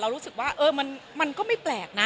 รู้สึกว่ามันก็ไม่แปลกนะ